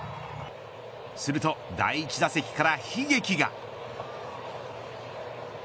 すると第１打席から悲劇が。